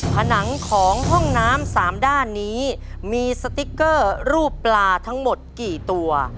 ผนังของห้องน้ำ๓ด้านนี้มีสติ๊กเกอร์รูปปลาทั้งหมดกี่ตัว